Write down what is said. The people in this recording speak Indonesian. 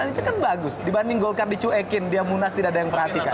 itu kan bagus dibanding golkar dicuekin dia munas tidak ada yang perhatikan